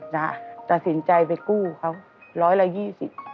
นะตัดสินใจไปกู้เขาร้อยละยี่สิบ